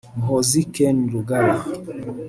Muhozi Kainerugaba